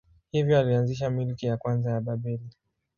Hivyo alianzisha milki ya kwanza ya Babeli.